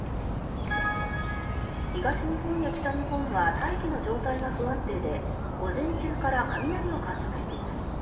東日本や北日本は大気の状態が不安定で午前中から雷を観測しています。